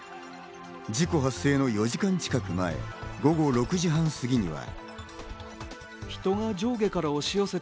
事故発生の４時間近く前、午後６時半過ぎには。